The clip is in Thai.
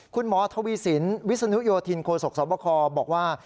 คุณหมอทวีสินวิศนุโยธินโคศกสวบคบอกว่า